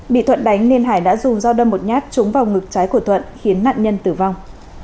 bị thuận đánh nên hải đã dùng dao đâm một nhát trúng vào ngực trái của thuận khiến nạn nhân tử vong